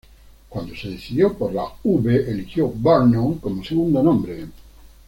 Cuando se decidió por la "V", eligió "Vernon" como segundo nombre.